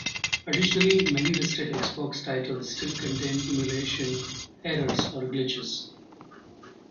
Additionally, many listed Xbox titles still contain emulation errors or glitches.